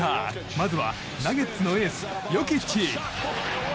まずは、ナゲッツのエースヨキッチ。